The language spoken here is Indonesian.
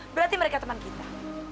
berarti mereka teman kita